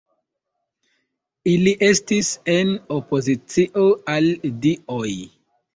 Ili estis en opozicio al dioj.